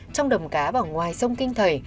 trong đầm cá bảo ngoài sông kinh thầy